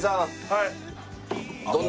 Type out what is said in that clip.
はい。